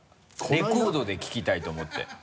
レコードで聴きたいと思って。